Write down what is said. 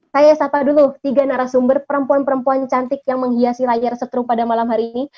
saya sapa dulu tiga narasumber perempuan perempuan cantik yang menghiasi layar setrum pada malam hari ini